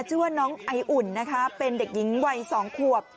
ชื่อว่าน้องไออุ่นนะคะเป็นเด็กหญิงวัย๒ขวบ